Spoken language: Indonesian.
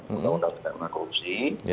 undang undang tindak menang korupsi